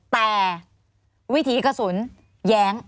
แต่วิถีกระสุนแย้ง